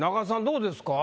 どうですか？